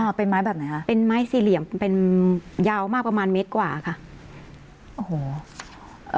เป็นไม้แบบไหนคะเป็นไม้สี่เหลี่ยมเป็นยาวมากประมาณเมตรกว่าค่ะโอ้โหเอ่อ